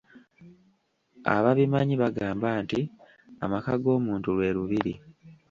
Ababimanyi bagamba nti amaka g‘omuntu lwe Lubiri.